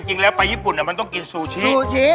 จริงแล้วไปญี่ปุ่นน่ะมันต้องกินซูชี้